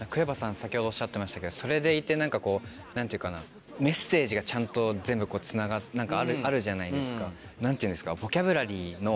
先ほどおっしゃってましたけどそれでいて何ていうかなメッセージがちゃんと全部つながってあるじゃないですか。